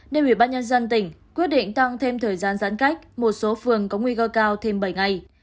nên ubnd tỉnh quyết định tăng thêm thời gian giãn cách một số phường có nguy cơ cao thêm bảy ngày